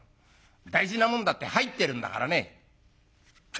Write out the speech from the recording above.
大事なもんだって入ってるんだからね」。